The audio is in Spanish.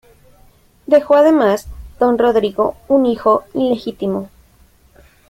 Dejó además, don Rodrigo, un hijo ilegítimo.